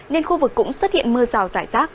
nên khu vực cũng xuất hiện mưa rào rải rác